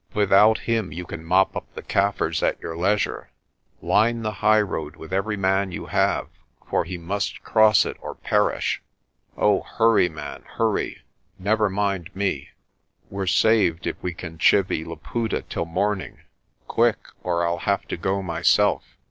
Without him you can mop up the Kaffirs at your leisure. Line the highroad with every man you have, for he must cross it or perish. Oh, hurry, man, hurry ; never mind me. We're saved if we can chivy Laputa till morning. Quick, or I'll have to go myself."